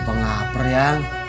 apa ngaper ya